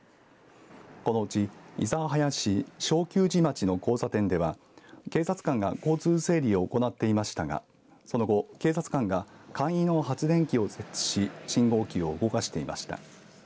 このうち諫早市正久寺町の交差点では警察官が交通整理を行っていましたがその後、警察官が簡易の発電機を設置し信号機を動かしていました。